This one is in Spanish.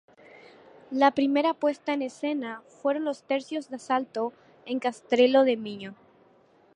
La primera puesta en escena fueron los tercios de asalto en Castrelo de Miño.